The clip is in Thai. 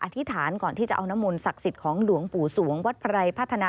ธิษฐานก่อนที่จะเอาน้ำมนต์ศักดิ์สิทธิ์ของหลวงปู่สวงวัดไพรพัฒนา